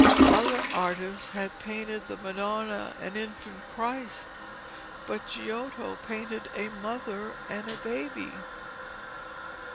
Other artists had painted the Madonna and Infant Christ, but Giotto painted a mother and a baby.